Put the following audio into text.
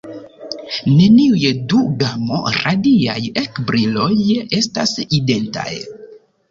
Neniuj du gamo-radiaj ekbriloj estas identaj.